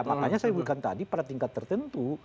makanya saya berikan tadi pada tingkat tertentu